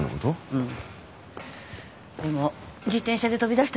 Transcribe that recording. うん。